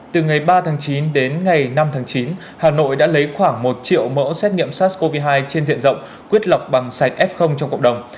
từ ngày ba tháng chín đến ngày năm tháng chín hà nội đã lấy khoảng một triệu mẫu xét nghiệm sars cov hai trên diện rộng quyết lọc bằng sạch f trong cộng đồng